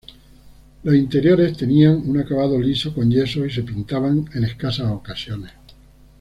Los interiores tenían un acabado liso con yeso y se pintaban en escasas ocasiones.